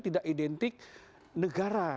tidak identik negara